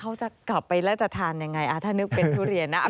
เขาจะกลับไปแล้วจะทานยังไงถ้านึกเป็นทุเรียนนะ